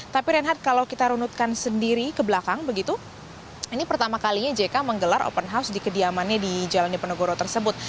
tapi reinhardt kalau kita runutkan sendiri ke belakang begitu ini pertama kalinya jk menggelar open house di kediamannya di jalan dipenegoro tersebut